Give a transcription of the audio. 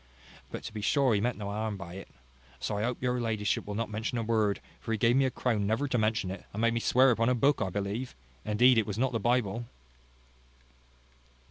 But to be sure he meant no harm by it. So I hope your ladyship will not mention a word; for he gave me a crown never to mention it, and made me swear upon a book, but I believe, indeed, it was not the Bible."